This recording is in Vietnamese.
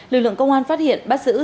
lực lượng công an phát hiện bắt giữ